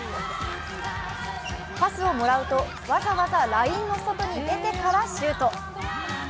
パスをもらうと、わざわざラインの外へ出てからシュート。